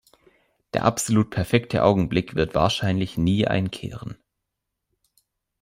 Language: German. Der absolut perfekte Augenblick wird wahrscheinlich nie einkehren.